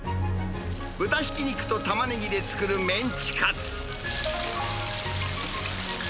豚ひき肉とたまねぎで作るメンチカツ。